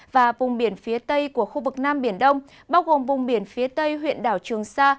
và vùng biển phía tây của khu vực nam biển đông bao gồm vùng biển phía tây huyện đảo trường sa